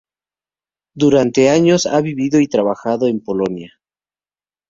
Durante años ha vivido y trabajado en Polonia.